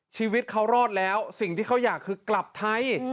ชีวิตเขารอดแล้วสิ่งที่เขาอยากคือกลับไทย